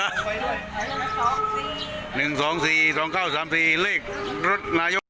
หนึ่งสองสี่สองเก้าสามสี่เลขรถนายก